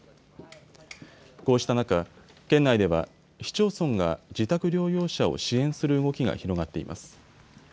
こうした中、県内では市町村が自宅療養者を支援する動きが広がっています。